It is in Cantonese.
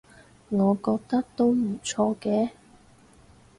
我覺得都唔錯嘅